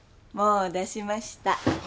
もう出しました。